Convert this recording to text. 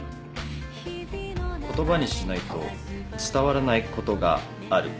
言葉にしないと伝わらないことがある。